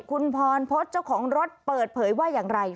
คุณพรพฤษเจ้าของรถเปิดเผยว่าอย่างไร